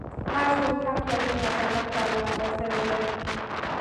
هر څوک حق لري عدالت ته لاسرسی ولري.